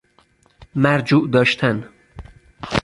مرجوع داشتن